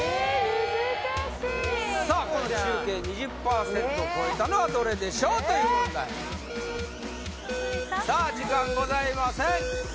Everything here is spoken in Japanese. さあこの中継２０％を超えたのはどれでしょう？という問題さあ時間ございません